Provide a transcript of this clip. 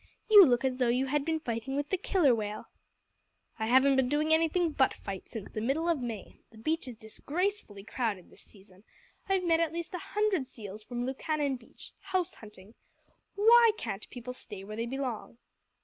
You look as though you had been fighting with the Killer Whale." "I haven't been doing anything but fight since the middle of May. The beach is disgracefully crowded this season. I've met at least a hundred seals from Lukannon Beach, house hunting. Why can't people stay where they belong?"